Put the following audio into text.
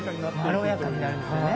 まろやかになるんですよね。